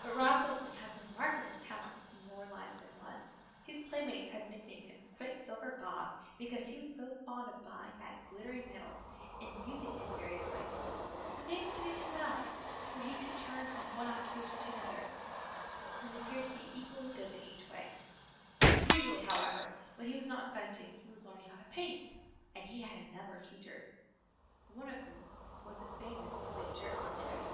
But Rob Fulton had remarkable talents in more lines than one. His playmates had nicknamed him "Quicksilver Bob" because he was so fond of buying that glittering metal and using it in various ways. The name suited him well, for he could turn from one occupation to another, and appeared to be equally good in each. Usually, however, when he was not inventing he was learning how to paint, and he had a number of teachers, one of whom was the famous Major André.